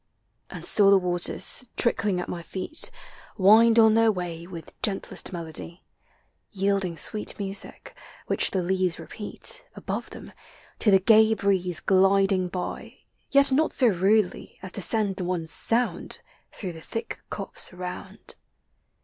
And still the waters, trickling at my feet, Wind on their way with gentlest melody, Yielding sweet music, which the leaves repeat, Above them, to the gay breeze gliding by, — Yet not so rudel}^ as to send one sound Through the thick copse around.